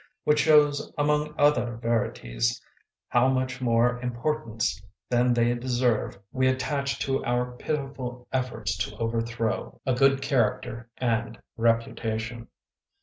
Which shows among other verities, how much more importance than they deserve we attach to our pitiful efforts to overthrow 106 WALKING THE RAINBOW 107 a good character and reputation.